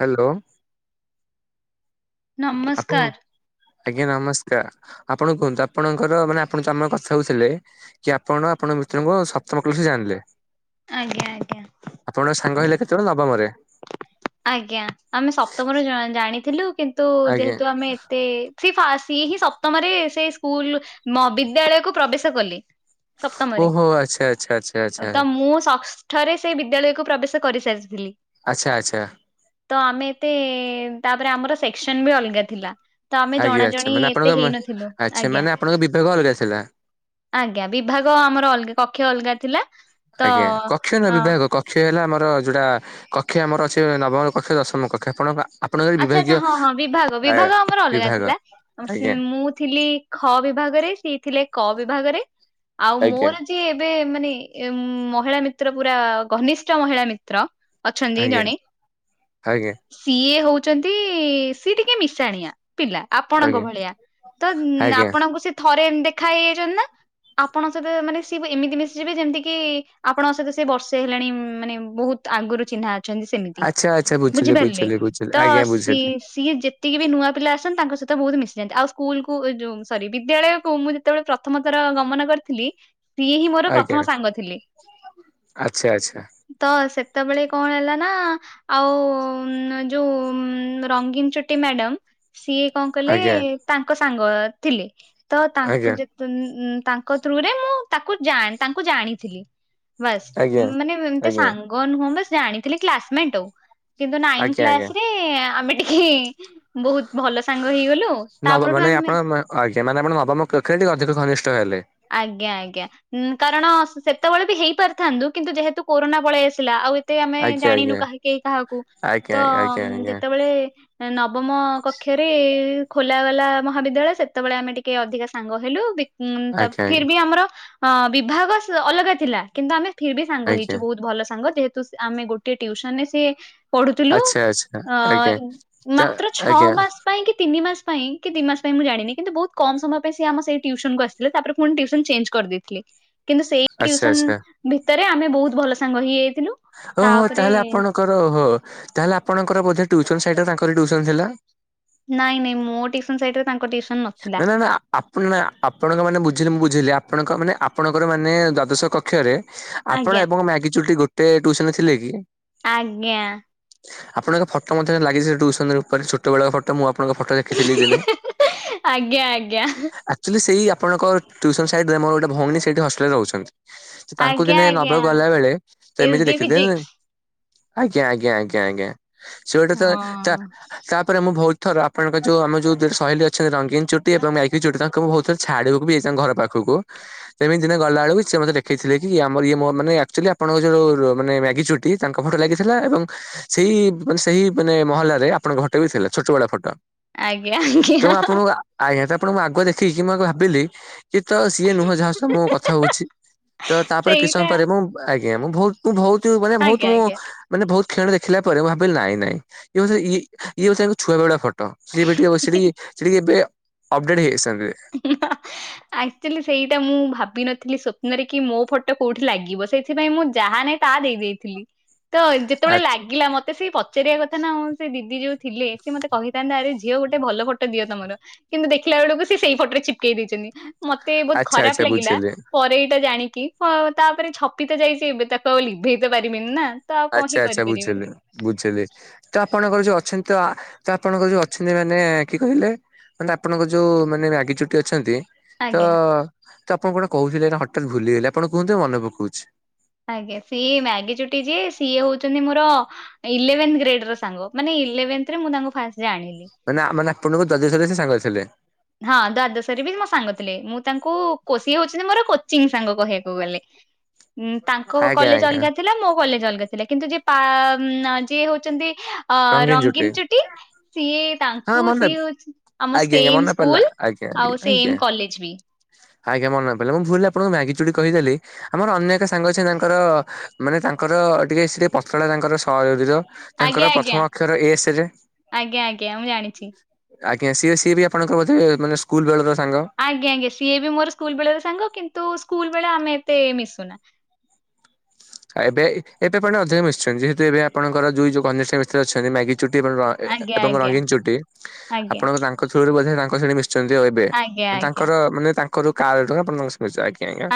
Hello ଆପଣ ନମସ୍କାର ଆଜ୍ଞା ନମସ୍କାର ଆପଣ କୁହନ୍ତୁ ଆପଣଙ୍କର ମାନେ ଆପଣ ଆମର କଥା ହଉଥିଲେ କି ଆପଣ ଆପଣଙ୍କ ମିତ୍ରଙ୍କୁ ସପ୍ତମ ସେ ଜାଣିଲେ ଆଜ୍ଞା ଆଜ୍ଞା। ଆପଣଙ୍କ ସାଙ୍ଗ ହେଲେ କେତେବେଳେ ନବମରେ? ଆଜ୍ଞା ଆମେ ସପ୍ତମରୁ ଜାଣିଥିଲୁ କିନ୍ତୁ ଆଜ୍ଞା ଯେହେତୁ ଆମେ ଏତେ ସେ ସିଏ ହିଁ ସପ୍ତମରେ ସେ ସ୍କୁଲ ବିଦ୍ୟାଳୟକୁ ପ୍ରବେଶ କଲେ। ସପ୍ତମରେ ଓହୋ ଆଚ୍ଛା ଆଚ୍ଛା ଆଚ୍ଛା ଆଉ ଆଚ୍ଛା। ତ ମୁଁ ସ ଥରେ ସେ ବିଦ୍ୟାଳୟକୁ ପ୍ରବେଶ କରିସାରିଥିଲି ଆଚ୍ଛା ଆଚ୍ଛା ତ ଆମେ ଏତେ ତାପରେ ଆମର ସେକ୍ସନ ବି ଅଲଗା ଥିଲା ତ ଆମେ ଆଜ୍ଞା ଜଣା ଆଚ୍ଛା ଜଣି ମାନେ ଆପଣଙ୍କ ଏତେ ହେଇନଥିଲୁ ଆଚ୍ଛା ଆଜ୍ଞା ମାନେ ଆପଣଙ୍କ ବିଭାଗ ଅଲଗା ଥିଲା। ଆଜ୍ଞା ବିଭାଗ ଆମର ଅଲଗା କକ୍ଷ ଅଲଗା ଥିଲା। ତ ଆଜ୍ଞା କକ୍ଷ ନା ଅ ବିଭାଗ କକ୍ଷ ହେଲା ଆମର ଯଉଟା କକ୍ଷ ଆମର ଅଛି ନବମ କକ୍ଷ ଦଶମ କକ୍ଷ ଆପଣଙ୍କ ଆପଣଙ୍କର ଆଚ୍ଛା ବିଭାଗୀୟ ଆଚ୍ଛା ହଁ ହଁ ବିଭାଗ ଆ ବିଭାଗ ଆମର ଅଲଗା ବିଭାଗ ଥିଲା ଆ ସେ ଆଜ୍ଞା ମୁଁ ଥିଲି ଖ ବିଭାଗରେ ସି ଥିଲେ କ ବିଭାଗରେ ଆଉ ଆଜ୍ଞା ମୋର ସ ଏବେ ମାନେ ମହିଳା ମିତ୍ର ପୁରା ଘନିଷ୍ଠ ମହିଳା ମିତ୍ର ଅଛନ୍ତି ଆଜ୍ଞା ଜଣେ ଆଜ୍ଞା ସିଏ ହଉଛି ସି ଟିକେ ମିଶାଣିଆ ପିଲା ଆପଣଙ୍କ ଆଜ୍ଞା ଭଳିଆ ତ ଆଜ୍ଞା। ଆପଣଙ୍କୁ ସେ ଥରେ ଦେଖା ହେଇଯାଇଛ ନା ଆପଣଙ୍କ ସହିତ ମାନେ ସିଏ ଏମିତି ମିଶିଯିବେ ଯେମିତି କିି ଆପଣଙ୍କ ସହିତ ସେ ବର୍ଷେ ହେଲେଣି ମାନେ ବହୁତ ଆଗରୁ ଚିହ୍ନା ଅଛନ୍ତି ସେମିତି ଆଚ୍ଛା ଆଚ୍ଛା ବୁଝିଲି ବୁଝିପାରିଲେ ବୁଝିଲି ବୁଝିଲି ତ ଆଜ୍ଞା ସି ବୁଝିଲି ସିଏ ଯେତିକି ବି ନୂଆ ପିଲା ଆସନ୍ତି ତାଙ୍କ ସହିତ ବହୁତ ମିଶିଯାଆନ୍ତି। ଆଉ ସ୍କୁଲ କୁ ସରି ବିଦ୍ୟାଳୟ କୁ ଯେତେବେଳେ ପ୍ରଥମ ଥର ଗମନ କରିଥିଲି ସିଏ ହିଁ ମୋର ଆଜ୍ଞା ପ୍ରଥମ ସାଙ୍ଗ ଥିଲେ ଆଚ୍ଛା ଆଚ୍ଛା ତ ସେତେବେଳେ କଣ ହେଲା ନାଁ ଆଉ ଯୋଉଁ ରଙ୍ଗୀନ ଚୋଟି ମ୍ୟାଡାମ ସିଏ କଣ କଲେ ଆଜ୍ଞା ତାଙ୍କ ସାଙ୍ଗ ଅଁ ଥିଲେ ତ ତାଙ୍କୁ ଆଜ୍ଞା ଯେତେ ତଉଁ ତାଙ୍କ ଥ୍ରୁରେ ମୁଁ ତାକୁ ଜାଣି ତାଙ୍କୁ ଜାଣିଥିଲି ବାସ୍ ଆଜ୍ଞା ମାନେ ଏମିତି ଆଜ୍ଞା ସାଙ୍ଗ ନୁହଁ ବାସ ଜାଣିଥିଲି କ୍ଲାସମେଟ ଆଉ କିନ୍ତୁ ନାଇଁ ଆଜ୍ଞା ଆଜ୍ଞା ଏଁ ଆମେ ଟିକେ ହେଁ ବହୁତ ଭଲ ସାଙ୍ଗ ହେଇଗଲୁ ନବ ତାପଠୁଁ ମାନେ ଆମେ ଆପଣ ମ- ଆଜ୍ଞା ମାନେ ଆପଣ ବାପା ମା ଙ୍କ ଅଧିକ ଘନିଷ୍ଠ ହେଲେ ଆଜ୍ଞା ଆଜ୍ଞା। ଉଁ କାରଣ ସେତେବେଳେ ବି ହେଇ ପାରିଥାନ୍ତୁ କିନ୍ତୁ ଯେହେତୁ କୋରନା ପଳେଇ ଆସିଲା ଆଉ ଏତେ ଆମେ ଆଜ୍ଞା ଜାଣିନୁ ଆଜ୍ଞା କାହିଁକି କାହାକୁ ଆଜ୍ଞା ତ ଆଜ୍ଞା ଆଜ୍ଞା ଯେତେବେଳେ ନବମ କକ୍ଷରେ ଖୋଲା ଗଲା ମହାବିଦ୍ୟାଳୟ ସେତେବେଳେ ଆମେ ଟିକେ ଅଧିକା ସାଙ୍ଗ ହେଲୁ ବି ହୁଁ ତପ୍ ଆଜ୍ଞା ଆଜ୍ଞା। ଆମର ଅ ବିଭାଗ ସଁ ଅଲଗା ଥିଲା କିନ୍ତୁ ଆମେ ଫି୍ର ବି ସାଙ୍ଗ ଆଜ୍ଞା ହେଇଛୁ ବହୁତ ଭଲ ସାଙ୍ଗ ଯେହେତୁ ବାସ ଆମେ ଗୋଟେ ଟ୍ୟୁସନରେ ସିଏ ପଢୁଥିଲୁ ଆଚ୍ଛା ଆଚ୍ଛା ଅଁ ଆଜ୍ଞା ତା ମାତ୍ର ଛଅ ଆଜ୍ଞା ମାସ ପାଇଁ କି ତିନି ମାସ ପାଇଁ କି ଦି ମାସ ପାଇଁ ମୁଁ ଜାଣିନି କିନ୍ତୁ ବହୁତ କମ ସମୟ ପାଇଁ ସେ ଆମ ସେଇ ଟ୍ୟୁସନକୁ ଆସିଥିଲେ ତାପରେ ମୁଁ ଫୁଣି ଟ୍ୟୁଉସନ ଚେଞ୍ କରିଦେଇଥିଲି କିନ୍ତୁ ସେଇସ ଆଚ୍ଛା ଆଚ୍ଛା ଟ୍ୟୁଉସନ ଭିତରେ ଆମେ ବହୁତ ଭଲ ସାଙ୍ଗ ହେଇଯାଇଥିଲୁ। ଓ ହୋ ତାପରେ ତାହେଲେ ଆପଣଙ୍କର ଓହୋ ତାହେଲେ ଆପଣଙ୍କର ବୋଧେ ଟ୍ୟୁଉସନ ସାଇଡ୍ ରେ ତାଙ୍କରି ଟ୍ୟୁଉସନ ଥିଲା। ନାଇଁ ନାଇଁ ମୋ ଟ୍ୟୁଉସନ ସାଇଡ୍ ରେ ତାଙ୍କ ଟ୍ୟୁଉସନ ନାଁ ନାଁ। ଆପଣ ନାଁ ଆପଣଙ୍କ ମାନେ ବୁଝିଲ ମୁଁ ବୁଝିଲି ଆପଣଙ୍କ ମାନେ ଆପଣଙ୍କର ମାନେ ଦ୍ଵାଦଶ କକ୍ଷରେ ଆଜ୍ଞା ଆପଣ ଆପଣଙ୍କ ମ୍ୟାଗି ଚୁଟି ଗୋଟେ ଟ୍ୟୁଉସନ ରେ ଥିଲେ କି? ଆଜ୍ଞା। ଆପଣଙ୍କ ଫଟୋ ମଧ୍ୟ ଲାଗି ଟ୍ୟୁଉସନ ଉପରେ ଛୋଟ ବେଳ ର ଫଟୋ ମୁଁ ଆପଣଙ୍କ ଫଟୋ ଦେଖିଥିଲି ଦିନେ ଏଁହେଁ ଆଜ୍ଞା ଆଜ୍ଞା। ଆଚ୍ୟୁୟେଲି ସେଇ ଆପଣଙ୍କ ଟ୍ୟୁଉସନ ସାଇଡ୍ ରେ ମୋର ଗୋଟେ ଭଉଣୀ ସେଇଠି ହଷ୍ଟେଲରେ ରହୁଛନ୍ତି। ତାଙ୍କୁ ଆଜ୍ଞା ଦିନେ ଆଜ୍ଞା ନବାକୁ ଗଲା ବେଳେ ତ ଏସ୍ ଏମିତି ଡି ଦେଖିଦେଲି ଫିଜିକ୍ସ ଆଜ୍ଞା ଆଜ୍ଞା ଆଜ୍ଞା ଆଜ୍ଞା ସିଏ ଗୋଟେ ତ ହଁ ତାପରେ ମୁଁ ବହୁତ ଥର ଆପଣଙ୍କ ଯୋଉଁ ଆମ ଯୋଉଁ ସହୀଲି ଅଛନ୍ତି ରଙ୍ଗ ଗ୍ରିନଚୁଟି ଏବଂ ମ୍ୟାଗି ଚୁଟି ତାଙ୍କୁ ବହୁ ଥର ଛାଡିବାକୁ ବି ଯାଇଚି ଘର ପାଖକୁ ଏମିତି ଦିନେ ଗଲା ବେଳକୁ ସେ ମୋତେ ଦେଖିଥିଲେ କି ଆମର ଇଏ ମୋ ମାନେ ଆଚ୍ୟୁୟେଲି ଆପଣଙ୍କ ଯୋଉଁ ମାନେ ମ୍ୟାଗି ଚୁଟି କି ତାଙ୍କ ଫଟୋ ଲାଗିଥିଲା ଏବଂ ସେଇ ମାନେ ସେଇ ମାନେ ମହାଁଲା ରେ ଆପଣଙ୍କ ଫଟୋ ବି ଥିଲା ଛୋଟ ବେଳ ର ଫଟୋ। ଆଜ୍ଞା ଆଜ୍ଞା ତେଣୁ ଆପଣଙ୍କୁ ଆଜ୍ଞା ତ ଆପଣଙ୍କୁ ଆଗ ଦେଖିକି ମୁଁ ଭାବିଲି କି ତ ସିଏ ନୁହଁ ଯାହା ସହ ମୁଁ କଥା ହଉଛି। ତ ତାପରେ କିଛି ସମୟ ସେଇଟା ପରେ ମୁଁ ଆଜ୍ଞା ମୁଁ ବହୁତ ମୁଁ ବହୁତ ମାନେ ବହୁତ ଆଜ୍ଞା ଆଜ୍ଞା ମାନେ ବହୁତ କ୍ଷଣ ଦେଖିଲା ପରେ ମୁ ଭାବିଲି ନାହିଁ ନାହିଁ ଇଏ ବୋଧେ ଇଏ ଇଏ ସେଇ ହୋଉଛି ଛୁଆ ବେଳର ଫଟୋ ଟୋ ସେଇ ଭିଡିଓ ବସିକି ଏଇ ଏବେ ଅବ୍ ଡେଟ ହେଇସାରିଲେଣି। ହିଁ ହାଁ ହାଁ ଆକ୍ଚୁଆଲି ସେଇଟା ମୁଁ ଭାବିନଥିଲି ସ୍ବପ୍ନରେ କି ମୋ ଫଟୋ କୋଉଁଠି ଲାଗିବ ସେଇ ସେଥିପାଇଁ ମୁଁ ଯାହା ନାହିଁ ତାହା ଦେଇ ଦେଇଥିଲି ତ ଯେତେବେଳେ ଲାଗିଲା ମୋତେ ସେଇ ପ ପଚାରିବା କଥା ନାଁ ଆଉ। ସେ ଦିଦି ଯୋଉଁ ଥିଲେ ସେ ମୋତେ କହିଥାନ୍ତେ ଆରେ ଝିଅ ଗୋଟେ ଭଲ ଫଟୋ ଦିଅ ତମର। କିନ୍ତୁ ଦେଖିଲା ବେଳକୁ ସେ ସେଇ ଫଟୋରେ ଚିପକେଇ ଦେଇଛନ୍ତି ମତେ ବହୁତ ଆଚ୍ଛା ଆଚ୍ଛା ଖରାପ ଲାଗିଲା ବୁଝିଲି। ପରେ ଏଇଟା ଜାଣିକି ହଁ ତାପରେ ଛପି ତ ଯାଇଛି ଏବେ ତାକୁ ଆଉ ଲିଭେଇ ତ ପାରିବିନି ନା ତ ଆଉ କଣ ହିଁ ଆଚ୍ଛା ଆଚ୍ଛା କରିପାରିବି ବୁଝିଲି ବୁଝିଲି ତ ଆପଣଙ୍କର ଯୋଉ ଅଛନ୍ତି ତ ଆପଣଙ୍କର ଯୋଉ ଅଛନ୍ତି ମାନେ କିଏ କହିଲେ ମାନେ ଆପଣଙ୍କ ଯୋଉ ମାନେ ମ୍ୟାଗିଚୁଟି ଅଛନ୍ତି। ତ ଆଜ୍ଞା। ତ ଆପଣ କଣ କହୁଥିଲେ ନା ହଠାତ୍ ଭୁଲିଗଲେ ଆପଣ କୁହନ୍ତୁ ମନେ ପକାଉଛି। ଆଜ୍ଞା ସିଏ ମ୍ୟାଗି ଚୁଟି ଯିଏ ସିଏ ହଉଛନ୍ତି ମୋର ଇଲେଭେନ୍ ଗ୍ରେଡ ର ସାଙ୍ଗ ମାନେ ଇଲେଭେନ୍ ଥେ ରେ ମୁଁ ତାଙ୍କୁ ଫାଷ୍ଟ ଜାଣିଲି। ମାନେ ମାନେ ଆପଣଙ୍କୁ ଦ୍ୱାଦଶ ରେ ସେ ସାଙ୍ଗରେ ଥିଲେ। ହଁ ଦ୍ଵାଦଶରେ ବି ମୋ ସାଙ୍ଗ ଥିଲେ ମୁଁ ତାଙ୍କୁ କୋଚିଂ ହଉଛନ୍ତି ମୋର କୋଚିଂ ସାଙ୍ଗ କହିବାକୁ ଗଲେ। [inaudible] ତାଙ୍କ ଆଜ୍ଞା କଲେଜ ଆଜ୍ଞା ଅଲଗା ଥିଲା ମୋ କଲେଜ ଅଲଗା ଥିଲା କିନ୍ତୁ ଯିଏ ପା ଯିଏ ହଉଛନ୍ତି। ଅ ରଙ୍ଗୀନ ଚୁଟି ସିଏ ହଁ ତାଙ୍କୁ ମନେ ସିଏ ହଉଚି ଆମ ଆଜ୍ଞା ଆଜ୍ଞା ସେମ ମନେ ପଡିଲା ସ୍କୁଲ ଆଜ୍ଞା ଆଜ୍ଞା ଆଉ ସେ ଆଜ୍ଞା। ଏମ କଲେଜ ବି ଆଜ୍ଞା ମନେପଇଲା ମୁଁ ଭୁଲ ରେ ଆପଣଙ୍କୁ ମ୍ୟାଗି ଚୁଡ଼ି କହିଦେଲି ଆମର ଅନ୍ୟ ଏକ ସାଙ୍ଗ ଅଛ ତାଙ୍କର ମାନେ ତାଙ୍କର ଟିକେ ସେ ପତଳା ତାଙ୍କର ସରିର ଆଜ୍ଞା ତାଙ୍କର ଆଜ୍ଞା ପ୍ରଥମ ଅକ୍ଷର ଏସରେ ଆଜ୍ଞା ଆଜ୍ଞା ମୁଁ ଜାଣିଛି। ଆଜ୍ଞା ସିଏ ସିଏ ବି ଆପଣଙ୍କ ବୋଧେ ମାନେ ସ୍କୁଲ ବେଳର ସାଙ୍ଗ ଆଜ୍ଞା ଆଞା ସିଏ ବି ମୋର ସ୍କୁଲ ବେଳର ସାଙ୍ଗ କିନ୍ତୁ ସ୍କୁଲ ବେଳେ ଆମେ ଏତେ ମିଶୁନା ଆଉ ଏବେ ଏବେ ଅଧିକ ମିଶୁଛନ୍ତି ଯେହେତୁ ଏବେ ଆପଣଙ୍କର ଯୋଉ ଯୋଉ ଘନିଷ୍ଠ ମିତ୍ର ଅଛନ୍ତି ମ୍ୟାଗି ଚୁଟି ଏବଂ ଆଜ୍ଞା ଏବଂ ଆଜ୍ଞା ରଙ୍ଗୀନ ଚୁଟି ଆଜ୍ଞା ଆପଣଙ୍କ ତାଙ୍କ ଥ୍ରୁରୁ ବୋଧେ ତାଙ୍କ ଶ ମିଶୁଛନ୍ତି ଏବେ ଆଜ୍ଞା ଆଜ୍ଞା ତାଙ୍କର ମାନେ ତାଙ୍କର କା ଆପଣ ଆଜ୍ଞା ଆଜ୍ଞା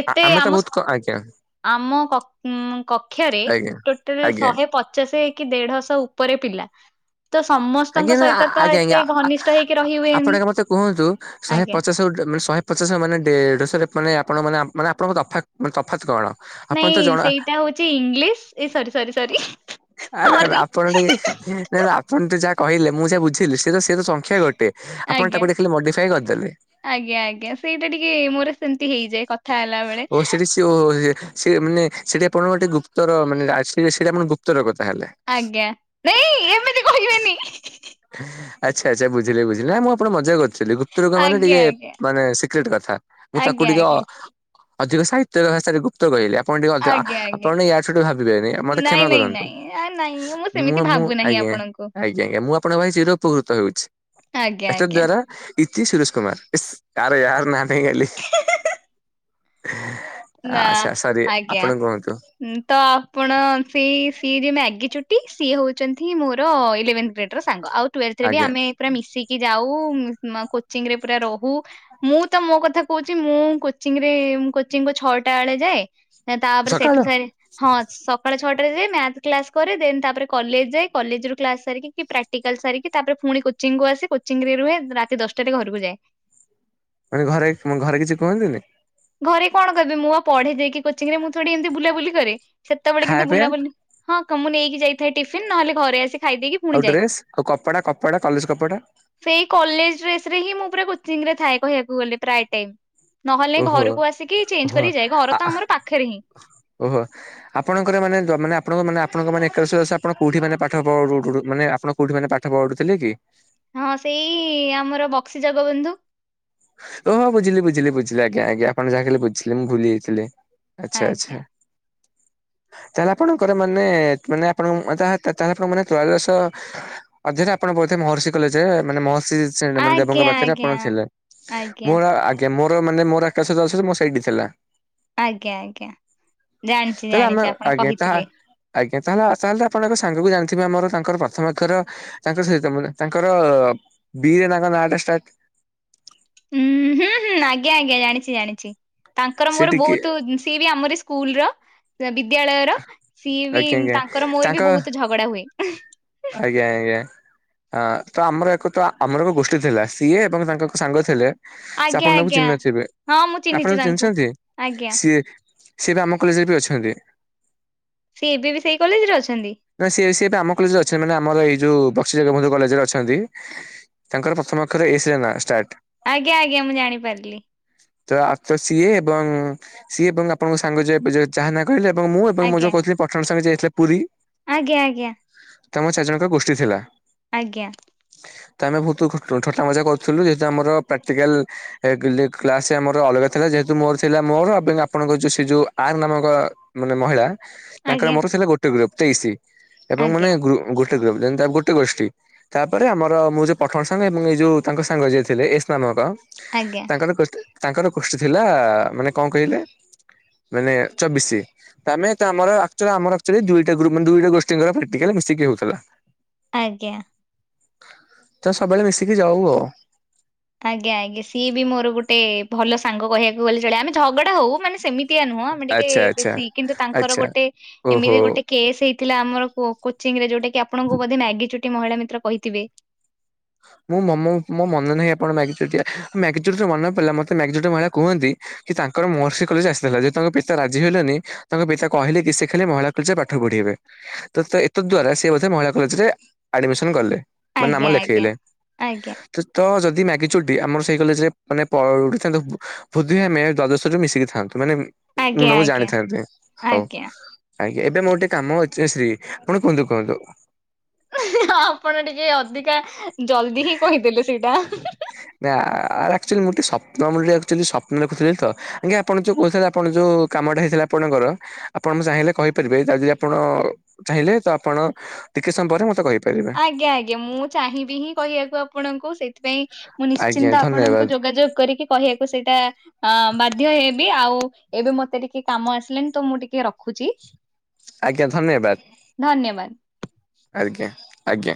ଏତେ ଆମେ ତ ଆମ ସ୍କୁ ବହୁତ ଆଜ୍ଞା ଆମ କ କକ୍ଷରେ ଆଜ୍ଞା। ଟୋଟାଲ ଆଜ୍ଞା ଶହେପ ଚା ସେ କି ଦେଢଶହ ଉପରେ ପିଲା ତ ଆଜ୍ଞା ସମସ୍ତଙ୍କ ନା ସହିତ ତ ଆଜ୍ଞା ଆଜ୍ଞା ଏତେ ଘନିଷ୍ଠ ହେଇକି ରହି ଆପଣ ହୁଏନି ଆଗେ ମତେ କୁହନ୍ତୁ ଶହେ ଆଜ୍ଞା ପଚାଶ ମାନେ ଶହେ ପଚାସେ ମାନେ ଦେଢ଼ଶହ ମାନେ ଆପଣ ମାନେ ମାନେ ଆପଣଙ୍କ ତଫାତ୍ ମାନେ ତଫାତ୍ କଣ? ଆପଣ ତ ନାଇଁ ଜଣା ସେଇଟା ହଉଛି ଇଂଲିଶ ସରି ସରି ସରି ଆରେ ଆରେ ସରି ଆପଣ ଆଜ୍ଞା ଟିକେ ଆ ଆପଣ ତ ଯାହା କହିଲେ ମୁଁ ଯାହା ବୁଝିଲି ସେ ତ ସେ ତ ସଂଖ୍ୟା ଗୋଟେ ଆପଣ ତାକୁ ଦେଖିଲି ମଡିଫାଇ କରିଦେଲେ। ଆଜ୍ଞା ଆଜ୍ଞା ସେଇଟା ଟିକେ ମୋର ସେମିତି ହେଇଯାଏ କଥା ହେଲା ବେଳେ ଓ ସେଠି ସି ମାନେ ସେଇଟି ଆପଣଙ୍କ ଗୋଟେ ଗୁପ୍ତର ମାନେ ସେଇଟା ଆପଣ ଗୁପ୍ତ ରୋଗ ତାହାଲେ ଆଜ୍ଞା ନାଇଁ ଏମିତି କହିବେନି। ଆଚ୍ଛା ଆଚ୍ଛା ବୁଝିଲେ ବୁଝିଲେ ନା ମୁଁ ଆପଣ ମଜା କରୁଛି। ଗୁପ୍ତ ରୋଗ ମାନେ ଆଜ୍ଞା ଟିକେ ଆଜ୍ଞା ମାନେ ସିକ୍ରେଟ କଥା ମୁଁ ତାକୁ ଆଜ୍ଞା ଟିକେ ଆଜ୍ଞା ଅଧିକ ସାହିତ୍ୟ ଭାଷାରେ ଗୁ ପ୍ତ କହିଲି ଆପଣ ଟିକେ ଅ ଆଜ୍ଞା ଆଜ୍ଞା ଆପଣ ଟିକେ ୟାଡୁ ସେୟାଡୁ ଭାବିବେନି ମତେ ନାଇଁ କ୍ଷମା ନାଇଁ କରନ୍ତୁ। ନାଇଁ ଆ ନାଇଁ ସେମିତି ମୁଁ ମୁଁ ଭାବୁ ନାହିଁ ଆଜ୍ଞା ଆଜ୍ଞା। ଆପଣଙ୍କୁ ଆଜ୍ ଆ୍ଞା ମୁଁ ଆପଣଙ୍କ ଭାଇ ଚିର ଉପକୃତ ହେଉଛି ଆଜ୍ଞା ଏତ ଆଜ୍ଞା ଦ୍ଵାରା ଇତି ସୁରେଶ କୁମାର ଇସ ଆରେ ୟାର ନା ନେଇଗଲି [inaudible] ନା ଆଚ୍ଛା ସରି ଆଜ୍ଞା ଆପଣ କୁହନ୍ତୁ ତ ଆପଣ ସେଇ ସେ ଜେ ମ୍ୟାଗି ଚୁଟି ସିଏ ହଉଛନ୍ତି ମୋର ଇଲେଭେନ୍ ସାଙ୍ଗ ଆଉ ଟୁୱେଲର୍ଥରେ ଆଜ୍ଞା ଆମେ ମିଶିକି ଯାଉ କୋଚିରେ ପୁରା ରହୁ ମୁଁ ତ ମୋ କଥା କହୁଛି ମୁଁ କୋଚିଂରେ [unintelligible] କୁ ଛଅଟା ଅଳେ ଯାଏ ଏଁ ତାପରେ ସକାଳ ସେଠୁ ସାରି ହଁ ସ ସକାଳ ଛଅଟାରେ ଯାଏ ମ୍ୟାଥ୍ କ୍ଲାସ୍ କରେ ଦେନ୍ ତାପରେ କଲେଜ୍ ଯାଏ କଲେଜରୁ କ୍ଲାସ୍ ସାରିକି କି ପ୍ରା [unintelligible] ଟିକାଲ୍ ସାରିକି ତାପରେ ଫୁଣି କୋଚିଂକୁ ଆସେ କୋଚିଂ ରେ ରୁହେ ରାତି ଦଶ୍ ଟାରେ ଘରକୁ ଯାଏ। ମାନେ ଘରେ [unintelligible] ଘରେ କିଛି କୁହନ୍ତିନି? ଘରେ କଣ କହିବେ ମୁଁ ଆ ପଢେ ଯାଇକି କୋଚିଂ ରେ ମୁଁ ଥୋଡି ଏମ୍ତି ବୁଲାବୁଲି କରେ ସେତେବେଳେ କିନ୍ତୁ ଖାଇବା ପିଇବା ବୁଲାବୁଲି ହଁ କ ମୁଁ ନେଇକି ଯାଇଥାଏ ଟିଫିନ୍ ନହେଲେ ଘରେ ଆସି ଖାଇଦେଇକି ପୁଣି ଆଉ ଯାଏ। ଡ୍ରେସ୍ ଆଉ କପଡା କପଡା କଲେଜ୍ କପଡା? ସେଇ କଲେଜ୍ ଡ୍ରେସ୍ ରେ ହିଁ ମୁଁ ପୁରା କୋଚିଂ ରେ ଥାଏ କହିବାକୁ ଗଲେ ପ୍ରାୟ ଟାଇମ୍ ନହ ଓହୋ ଘରକୁ ଆସିକି ଚେଞ୍ଜ୍ ଓହୋ କରି ଯାଏ ଘର ଆ ତ ଆମର ପାଖରେ ହିଁ। ଓହୋ। ଆପଣଙ୍କର ମାନେ ଦ ମାନେ ଆପଣଙ୍କ ମାନ ଆପଣଙ୍କ ମାନେ [unintelligible] ମାନେ ଆପଣ କୋଉଠି ମାନେ ପାଠ ପଢୁଥିଲେ କି? ହଁ ସେଇ ଆମର ବକ୍ସି ଜଗବନ୍ଧୁ। ଓହୋ ବୁଝିଲି ବୁଝିଲି ବଝିଲି ଆଜ୍ଞା ଆଜ୍ଞା ଆପଣ ଯାହା କହିଲେ ବୁଝିଲି ମୁଁ ଭୁଲି ଯାଇଥିଲି। ଆଚ୍ଛା ଆଜ୍ଞା। ଆଚ୍ଛା। ତାହେଲେ ଆପଣଙ୍କର ମାନେ ମାନେ ଆପଣଙ୍କ [unintelligible] ତାହେଲେ ଆପଣ ମାନେ ତ୍ରୟଦଶ ଅଧରେ ଆପଣ ବୋଧେ ମହର୍ଷି କଲେଜ୍ ରେ ମାନେ [unintelligible] ଆଜ୍ଞା ଦେବଙ୍କ ପାଖରେ ଆଜ୍ଞା ଆପଣ ଥିଲେ। ଆଜ୍ଞା ମୋର ଆଜ୍ଞା ମୋର ମାନେ ମୋର ଆକାଶ [unintelligible] ମୋ ସେଇଠି ଥିଲା। ଆଜ୍ଞା ଆଜ୍ଞା ଜାଣିଚି ତାହେଲେ ଆମେ ଜାଣିଚି ଆପଣ ଆଜ୍ଞା ତାହା କହିଥିଲେ। ଆଜ୍ଞା ତାହେଲେ ଆ [unintelligible] ତାହେଲେ ଆପଣଙ୍କ ସାଙ୍ଗକୁ ଜାଣିଥିବେ ଆମର ତାଙ୍କର ପ୍ରଥମ [unintelligible] ତାଙ୍କ ସହିତ ମାନେ ତାଙ୍କର ବି ରେ ତାଙ୍କ ନାଁ ଟା ଷ୍ଟାର୍ଟ। ହୁଁ-ହୁଁ-ହୁଁ ଆଜ୍ଞା ଆଜ୍ଞା ଜାଣିଚି ଜାଣିଚି ତାଙ୍କର ସେ ମୋର ଟିକେ ବହୁତୁ ସିଏ ବି ଆମରି ସ୍ କୁଲ୍ ର [unintelligible] ବିଦ୍ୟାଳୟର ସିଏ ବି ଆଜ୍ଞା ଆଜ୍ଞା ତାଙ୍କର ମୋର ତାଙ୍କ ବି ବହୁତୁ ଝଗଡା ହୁଏ। ଆଜ୍ଞା ଆଜ୍ଞା। ହଁ ତ ଆମର ଏକ ତ ଆମର ଏକ ଗୋଷ୍ଠୀ ଥିଲା ସିଏ ଏବଂ ତାଙ୍କ ସାଙ୍ଗ ଥିଲେ ସେ ଆଜ୍ଞା ଆପଣ ତାଙ୍କୁ ଆଜ୍ଞା ଚିହ୍ନି ନଥିବେ। ହଁ ମୁଁ ଚିହ୍ନିଛି ଆପଣ ତାଙ୍କୁ। ଚିହ୍ନିଛନ୍ତି ଆଜ୍ଞା ସିଏ ସିଏ ବି ଆମ କଲେଜ୍ ରେ ବି ଅଛନ୍ତି। ସିଏ ଏବେ ବି ସେଇ କଲେଜ୍ ରେ ଅଛନ୍ତି? ନା ସିଏ ସିଏ ବା ଆମ କଲେଜ୍ ରେ ଅଛନ୍ତି ମାନେ ଆମର ଏଇ ଯୋଉ ବକ୍ସି ଜଗବନ୍ଧୁ କଲେଜ୍ ରେ ଅଛନ୍ତି। ତାଙ୍କର ପ୍ରଥମ ଅକ୍ଷର ଏସ୍ ରେ ନା ଷ୍ଟାର୍ଟ। ଆଜ୍ଞା ଆଜ୍ଞା ମୁଁ ଜାଣିପାରିଲି। ତ ଆ ତ ସିଏ ଏବଂ ସିଏ ଏବଂ ଆପଣଙ୍କ ସାଙ୍ଗ [unintelligible] ଯାହା ନା କହିଲେ ଏବଂ ମୁଁ ଏବଂ ମୁଁ ଆଜ୍ଞା ଯୋଉ କହୁଥିଲି ପଠାଣ ସାଙ୍ଗେ ଯାଇଥିଲେ ପୁରୀ। ଆଜ୍ଞା ଆଜ୍ଞା। ତମ ଚାର୍ ଜଣଙ୍କ ଗୋଷ୍ଠୀ ଥିଲା। ଆଜ୍ଞା। ତ ଆମେ ବହୁତୁ [unintelligible] ଥଟ୍ଟା ମଜା କରୁଥିଲୁ ଯେହେତୁ ଆମର ପ୍ରାକ୍ଟିକାଲ୍ [unintelligible] କ୍ଲାସ୍ ଆମର ଅଲଗା ଥିଲା ଯେହେତୁ ମୋର ଥିଲା ମୋର ଏବଂ ଆପଣଙ୍କ ଯୋଉ ସେ ଯୋଉ ଆର୍ ନାମକ ମାନେ ମହିଳା ତାଙ୍କର ଆଜ୍ଞା ମୋର ଥିଲା ଗୋଟେ ଗ୍ରୁପ୍ ତେଇଶି। ଏବଂ ମାନେ ଆଜ୍ଞା ଗ୍ରୁ ଗୋଟେ ଗ୍ରୁପ୍ [unintelligible] ଗୋଟେ ଗୋଷ୍ଠୀ। ତାପରେ ଆମର ମୁଁ ଯୋଉ ପଠାଣ ସାଙ୍ଗ ଏବଂ ଏଇ ଯୋଉ ତାଙ୍କ ସାଙ୍ଗ ଯିଏ ଥିଲେ ଏସ୍ ନାମକ ଆଜ୍ଞା। ତାଙ୍କର [unintelligible] ତାଙ୍କର ଗୋଷ୍ଠୀ ଥିଲା ମାନେ କଁ କହିଲେ ମାନେ ଚବିଶି ତାମେ ତ ଆମର [unintelligible] [unintelligible] ପ୍ରାକ୍ଟିକାଲ ମିଶିକି ହଉଥିଲା। ଆଜ୍ଞା। ତ ସବୁବେଳେ ମିଶିକି ଯାଉ ଆଉ। ଆଜ୍ଞା ଆଜ୍ଞା ସିଏ ବି ମୋର ଗୋଟେ ଭଲ ସାଙ୍ଗ କହିବାକୁ ଗଲେ ଚଳେ ଆମେ ଝଗଡା ହଉ ମାନେ ସେମିତି ଏମିତିଆ ନୁହଁ ଆମେ ଟିକେ ଆଚ୍ଛା ଆଚ୍ଛା ବେଶୀ କିନ୍ତୁ ତାଙ୍କର ଆଚ୍ଛା ଗୋଟେ ଓହୋ। ଏମିତି ଗୋଟେ କେସ୍ ହେଇଥିଲା ଆମର କୋଚିଂରେ ଯୋଉଟା କିି ଆପଣଙ୍କୁ ବୋଧେ ମ୍ୟାଗି ଚୁଟି ମହିଳା ମିତ୍ର କହିଥିବେ? ମୁଁ ମ ମୋ ମନେ ନାହିଁ ଆପଣ ମ୍ୟାଗି ଚୁଟିଆ ମ୍ୟାଗି ଚୁଟି ମନେ ପଡିଲା ମତେ ମ୍ୟାଗି ଚୁଟି ମହିଳା କୁହନ୍ତି କି ତାଙ୍କର ମହର୍ଷି କଲେଜ ଆସିଥିଲା ଯେହେତୁ ତାଙ୍କ ପିତା ରାଜି ହେଲେନି ତାଙ୍କ ପିତା କହିଲେ କି ସେ ଖାଲି ମହିଳା କଲେଜରେ ପାଠ ପଢିବେ। ତ ଏତତ ଦ୍ଵାରା ସେ ବୋଧେ ମହିଳା କଲେଜରେ ଆଡମିସନ କଲେ। ମାନେ ନାମ ଆଜ୍ଞା ଆଜ୍ଞା ଲେଖେଇଲେ। ଆଜ୍ଞା! ତ ଯଦି ମ୍ୟାଗି ଚୁଟି ଆମର ସେଇ କଲେଜରେ ମାନେ ପଢ଼ିଥାନ୍ତୁ ବୋଧେ ଆମେ ଦ୍ୱାଦଶରେ ମିଶିକି ଥାନ୍ତୁ। ମାନେ ମୁଁ ଆଜ୍ଞା ତମକୁ ଆଜ୍ଞା। ଜାଣିଥାନ୍ତି ହଉ। ଆଜ୍ଞା ଆଜ୍ଞା ଏବେ ମୋର ଟିକେ କାମ ଅଛି ଶ୍ରୀ, ଆପଣ କୁହନ୍ତୁ କୁହନ୍ତୁ? ଆପଣ ଟିକେ ଅଧିକା ଜଲଦି ହିଁ କହିଦେଲେ ସେଇଟା। ନା ଆକଚୁଆଲି ମୁଁ ଟିକେ ସ୍ୱପ୍ନ ମୁଁ ଟିକେ ଆକଚୁଆଲି ସ୍ୱପ୍ନ ଦେଖୁଥିଲି ତ ଆଜ୍ଞା। ଆପଣ ଯୋଉ କହୁଥିଲେ ଆପଣ ଯୋଉ କାମଟା ହେଇଥିଲା ଆପଣଙ୍କର ଆପଣ ଚାହିଁଲେ କହିପାରିବେ ଯଦି ଆପଣ ଚାହିଁଲେ ତ ଆପଣ ଟିକେ ସମୟ ପରେ ମତେ କହିପାରିବେ। ଆଜ୍ଞା ଆଜ୍ଞା ମୁଁ ଚାହିଁବି ହିଁ କହିବାକୁ ଆପଣଙ୍କୁ ସେଇଥିପାଇଁ ମୁଁ ଆଜ୍ଞା ନିଶ୍ଚିନ୍ତ ଆପଣଙ୍କୁ ଧନ୍ୟବାଦ ଯୋଗାଯୋଗ କରିକି କହିବାକୁ ସେଇଟା ଅ ବାଧ୍ୟ ହେଇବି ଆଉ ଏବେ ମତେ ଟିକେ କାମ ଆସିଲାନି ତ ମୁଁ ଟିକେ ରଖୁଛି। ଆଜ୍ଞା ଧନ୍ୟବାଦ। ଧନ୍ୟବାଦ। ଆଜ୍ଞା ଆଜ୍ଞା